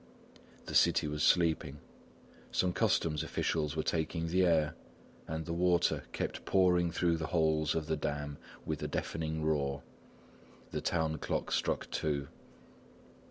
The city was sleeping; some customs officials were taking the air; and the water kept pouring through the holes of the dam with a deafening roar. The town clock struck two.